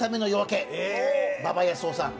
馬場康夫さん。